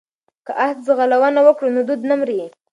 که اس ځغلونه وکړو نو دود نه مري.